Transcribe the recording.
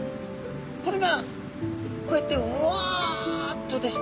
これがこうやってワッとですね